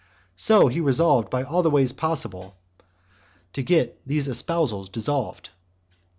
So he resolved by all the ways possible to get these espousals dissolved.